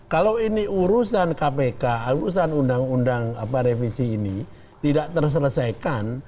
kalau ini urusan kpk urusan undang undang revisi ini tidak terselesaikan